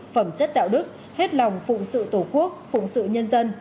phẩm chất đạo đức hết lòng phụ sự tổ quốc phụ sự nhân dân